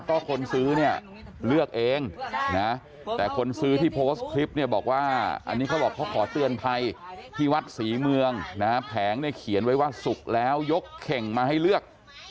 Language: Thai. ก็คนซื้อเนี่ยเลือกเองนะแต่คนซื้อที่โพสต์คลิปเนี่ยบอกว่าอันนี้เขาบอกเขาขอเตือนภัยที่วัดศรีเมืองนะฮะแผงเนี่ยเขียนไว้ว่าสุกแล้วยกเข่งมาให้เลือก